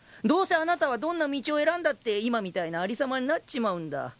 どうせあなたはどんな道を選んだって今みたいなありさまになっちまうんだ。